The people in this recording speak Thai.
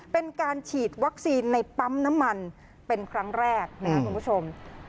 เป็นการฉีดวัคซีนในปั๊มน้ำมันเป็นครั้งแรกนะครับคุณผู้ชม